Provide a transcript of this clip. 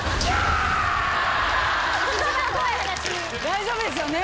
大丈夫ですよね？